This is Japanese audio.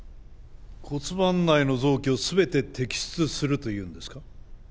骨盤内の臓器を全て摘出するというのですか？